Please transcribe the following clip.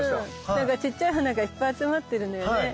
なんかちっちゃい花がいっぱい集まってるのよね。